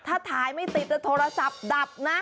ถ้าถ่ายไม่ติดจะโทรศัพท์ดับนะ